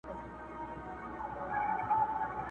کښتۍ هم ورڅخه ولاړه پر خپل لوري٫